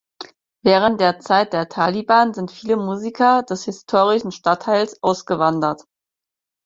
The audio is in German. Während der Zeit der Taliban sind viele Musiker des historischen Stadtteils ausgewandert.